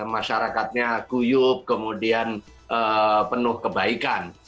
masyarakatnya guyup kemudian penuh kebaikan